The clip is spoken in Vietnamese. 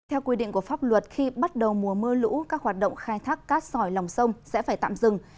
theo quy định của pháp luật khi bắt đầu mùa mưa lũ các hoạt động khai thác cát sỏi lòng sông sẽ phải tạm dừng